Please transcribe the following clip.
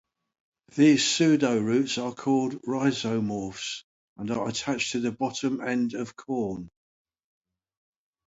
These pseudo-roots are called rhizomorphs, and are attached to the bottom end of corm.